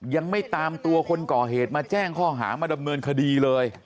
ยังไม่ตามตัวคนก่อเหตุมาแจ้งข้อหามาดำเนินคดีเลย